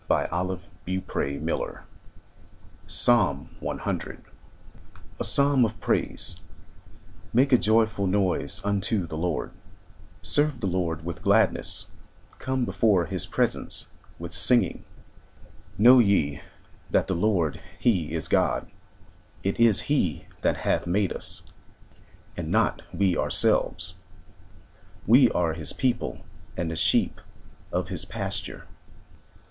I N THE N U R S E R Y A PSALM OF PRAISE Make a joyful noise unto the Lord; Serve the Lord with gladness; Come before his presence with singing. Know ye that the Lord he is God; It is he that hath made us, and not we ourselves; We are his people, and the sheep of his pasture.